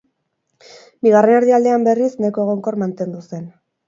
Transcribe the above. Bigarren erdialdean, berriz, nahiko egonkor mantendu zen.